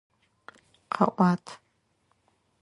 Къэӏуат!